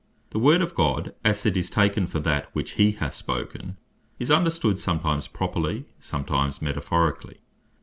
The Word of God, as it is taken for that which he hath spoken, is understood sometimes Properly, sometimes Metaphorically.